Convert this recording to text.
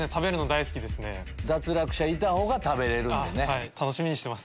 脱落者いたほうが食べれるんでね。